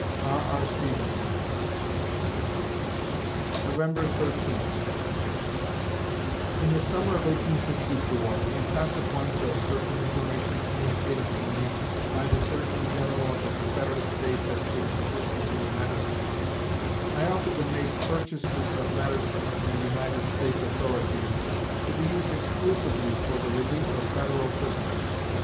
R. R. STEVENSON November Thirteenth In the summer of 1864, in consequence of certain information communicated to me by the Surgeon general of the Confederate States as to the deficiency of medicines, I offered to make purchases of medicines from the United States authorities, to be used exclusively for the relief of Federal prisoners.